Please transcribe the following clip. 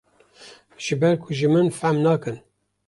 ji ber ku ji min fehm nakin.